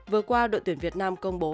vừa qua đội tuyển việt nam công bố